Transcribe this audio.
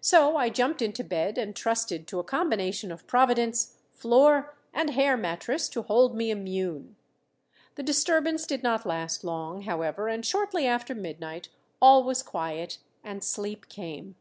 So I jumped into bed and trusted to a combination of Providence, floor, and hair mattress to hold me immune. The disturbance did not last long, however, and shortly after midnight all was quiet, and sleep came.